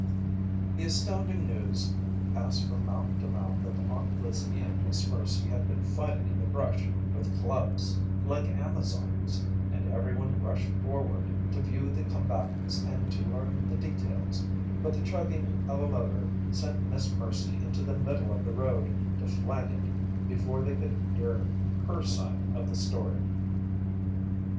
The astounding news passed from mouth to mouth that Aunt Lizzie and Miss Mercy had been fighting in the brush with clubs, like Amazons, and everyone rushed forward to view the combatants and to learn the details, but the chugging of a motor sent Miss Mercy into the middle of the road to flag it before they could hear her side of the story.